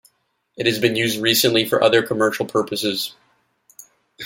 It has been used recently for other commercial purposes.